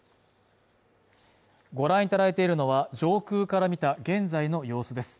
ご覧いただいているのは上空から見た現在の様子です